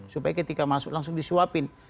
supaya ketika masuk langsung disuapin